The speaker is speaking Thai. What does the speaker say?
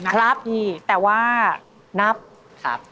๔๒๐๐บาทนะพี่แต่ว่านับครับ